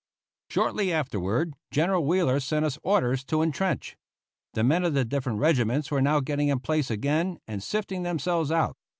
Shortly afterward General Wheeler sent us orders to intrench. The men of the different regiments were now getting in place again and sifting themselves out.